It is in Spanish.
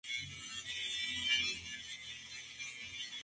Muchos grandes rabinos han mostrado su apoyo a esta organización.